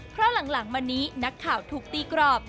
เพราะหลังมานี้นักข่าวถูกตีกรอบ